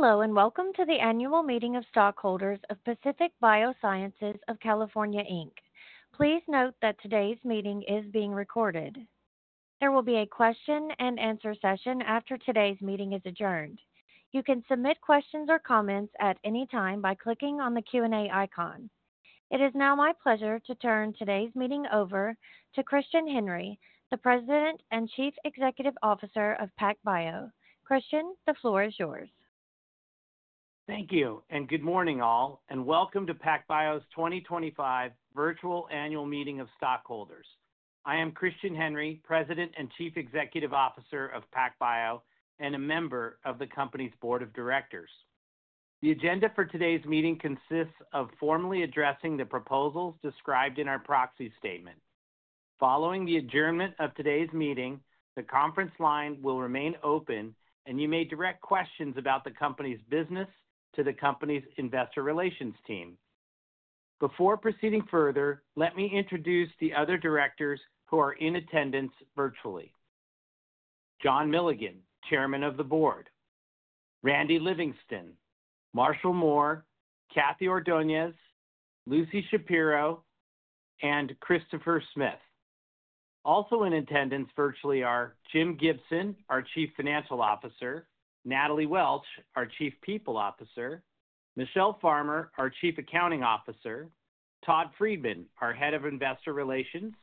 Hello, and welcome to the annual meeting of stockholders of Pacific Biosciences of California. Please note that today's meeting is being recorded. There will be a question-and-answer session after today's meeting is adjourned. You can submit questions or comments at any time by clicking on the Q&A icon. It is now my pleasure to turn today's meeting over to Christian Henry, the President and Chief Executive Officer of PacBio. Christian, the floor is yours. Thank you, and good morning, all, and welcome to PacBio's 2025 Virtual Annual Meeting of Stockholders. I am Christian Henry, President and Chief Executive Officer of PacBio and a member of the company's board of directors. The agenda for today's meeting consists of formally addressing the proposals described in our proxy statement. Following the adjournment of today's meeting, the conference line will remain open, and you may direct questions about the company's business to the company's investor relations team. Before proceeding further, let me introduce the other directors who are in attendance virtually: John Milligan, Chairman of the Board, Randy Livingston, Marshall Mohr, Kathy Ordonez, Lucy Shapiro, and Christopher Smith. Also in attendance virtually are Jim Gibson, our Chief Financial Officer, Natalie Welch, our Chief People Officer, Michele Farmer, our Chief Accounting Officer, Todd Freeman, our Head of Investor Relations,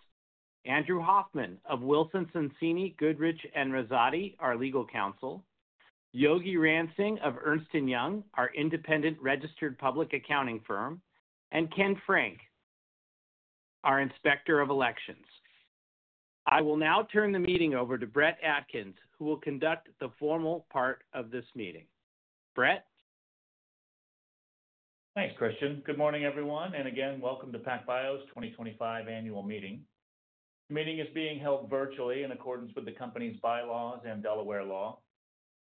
Andrew Hoffman of Wilson Sonsini Goodrich & Rosati, our Legal Counsel, Yogi Ransing of Ernst & Young, our Independent Registered Public Accounting Firm, and Ken Frank, our Inspector of Elections. I will now turn the meeting over to Brett Atkins, who will conduct the formal part of this meeting. Brett? Thanks, Christian. Good morning, everyone, and again, welcome to PacBio's 2025 Annual Meeting. The meeting is being held virtually in accordance with the company's bylaws and Delaware law.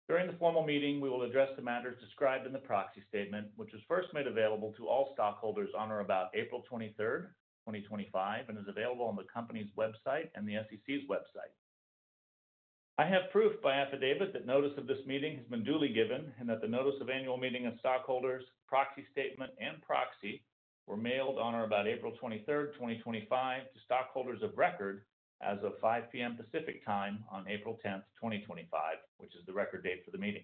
During the formal meeting, we will address the matters described in the proxy statement, which was first made available to all stockholders on or about April 23, 2025, and is available on the company's website and the SEC's website. I have proof by affidavit that notice of this meeting has been duly given and that the notice of annual meeting of stockholders, proxy statement, and proxy were mailed on or about April 23, 2025, to stockholders of record as of 5:00 P.M. Pacific Time on April 10, 2025, which is the record date for the meeting.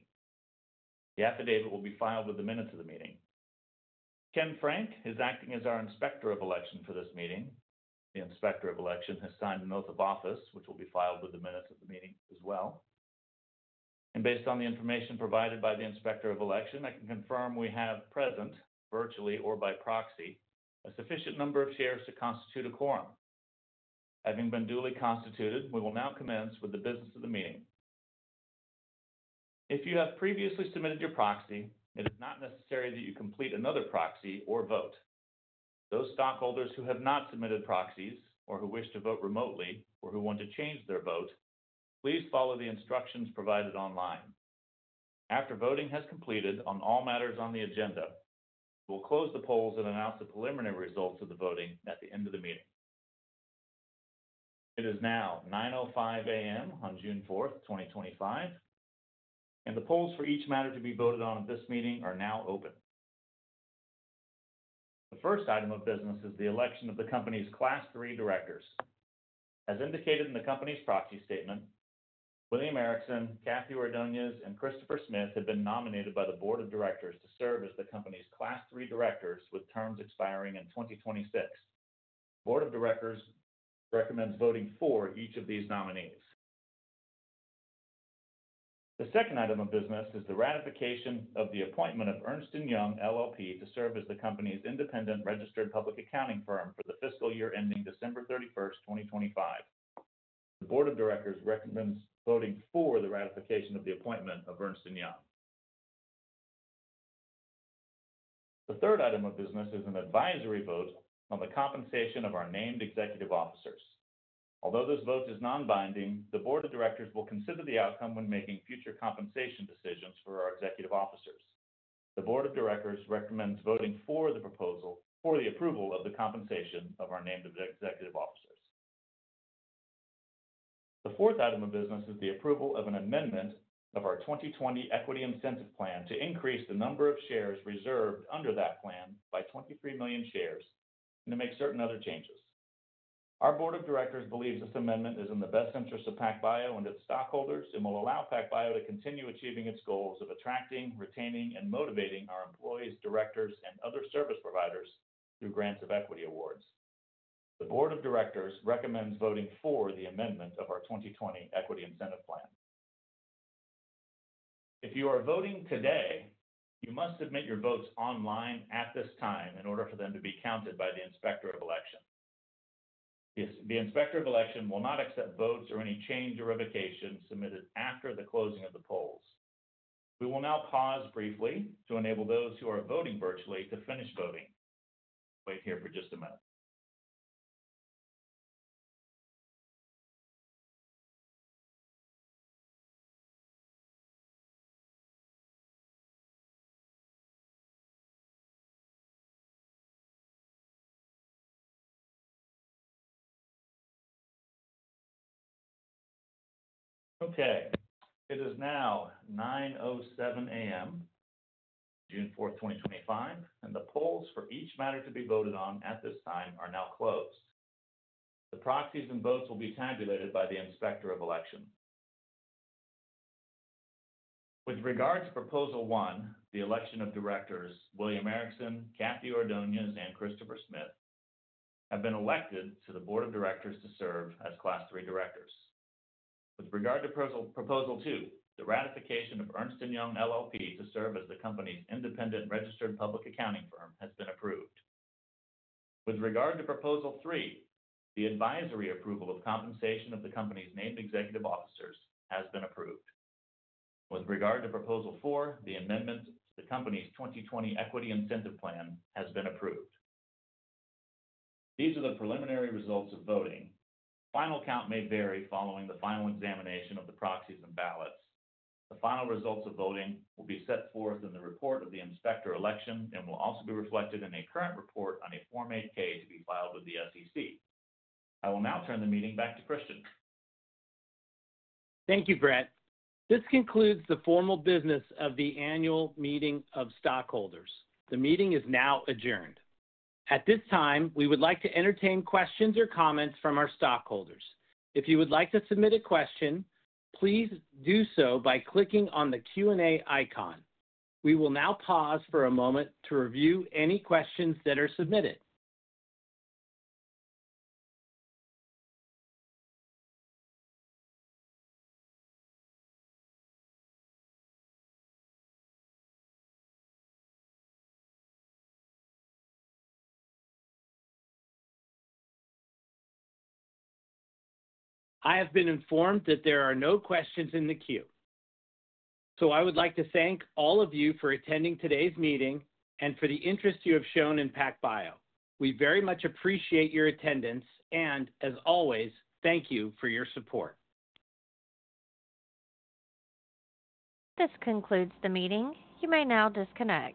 The affidavit will be filed with the minutes of the meeting. Ken Frank is acting as our Inspector of Election for this meeting. The Inspector of Election has signed a note of office, which will be filed with the minutes of the meeting as well. Based on the information provided by the Inspector of Election, I can confirm we have present, virtually or by proxy, a sufficient number of shares to constitute a quorum. Having been duly constituted, we will now commence with the business of the meeting. If you have previously submitted your proxy, it is not necessary that you complete another proxy or vote. Those stockholders who have not submitted proxies or who wish to vote remotely or who want to change their vote, please follow the instructions provided online. After voting has completed on all matters on the agenda, we will close the polls and announce the preliminary results of the voting at the end of the meeting. It is now 9:05 A.M on June 4, 2025, and the polls for each matter to be voted on at this meeting are now open. The first item of business is the election of the company's Class 3 directors. As indicated in the company's proxy statement, William Ericson, Kathy Ordoñez, and Christopher Smith have been nominated by the Board of Directors to serve as the company's Class 3 directors with terms expiring in 2026. The Board of Directors recommends voting for each of these nominees. The second item of business is the ratification of the appointment of Ernst & Young, LLP, to serve as the company's Independent Registered Public Accounting Firm for the fiscal year ending December 31, 2025. The Board of Directors recommends voting for the ratification of the appointment of Ernst & Young. The third item of business is an advisory vote on the compensation of our named executive officers. Although this vote is non-binding, the Board of Directors will consider the outcome when making future compensation decisions for our executive officers. The Board of Directors recommends voting for the proposal for the approval of the compensation of our named executive officers. The fourth item of business is the approval of an amendment of our 2020 Equity Incentive Plan to increase the number of shares reserved under that plan by 23 million shares and to make certain other changes. Our Board of Directors believes this amendment is in the best interest of PacBio and its stockholders and will allow PacBio to continue achieving its goals of attracting, retaining, and motivating our employees, directors, and other service providers through grants of equity awards. The Board of Directors recommends voting for the amendment of our 2020 Equity Incentive Plan. If you are voting today, you must submit your votes online at this time in order for them to be counted by the Inspector of Election. The Inspector of Election will not accept votes or any change or revocation submitted after the closing of the polls. We will now pause briefly to enable those who are voting virtually to finish voting. Wait here for just a minute. Okay. It is now 9:07 A.M., June 4, 2025, and the polls for each matter to be voted on at this time are now closed. The proxies and votes will be tabulated by the Inspector of Election. With regard to Proposal 1, the election of directors William Ericson, Kathy Ordoñez, and Christopher Smith have been elected to the Board of Directors to serve as Class 3 directors. With regard to Proposal 2, the ratification of Ernst & Young, LLP, to serve as the company's Independent Registered Public Accounting Firm has been approved. With regard to Proposal 3, the advisory approval of compensation of the company's named executive officers has been approved. With regard to Proposal 4, the amendment to the company's 2020 Equity Incentive Plan has been approved. These are the preliminary results of voting. Final count may vary following the final examination of the proxies and ballots. The final results of voting will be set forth in the report of the Inspector of Election and will also be reflected in a current report on a Form 8-K to be filed with the SEC. I will now turn the meeting back to Christian. Thank you, Brett. This concludes the formal business of the annual meeting of stockholders. The meeting is now adjourned. At this time, we would like to entertain questions or comments from our stockholders. If you would like to submit a question, please do so by clicking on the Q&A icon. We will now pause for a moment to review any questions that are submitted. I have been informed that there are no questions in the queue, so I would like to thank all of you for attending today's meeting and for the interest you have shown in PacBio. We very much appreciate your attendance and, as always, thank you for your support. This concludes the meeting. You may now disconnect.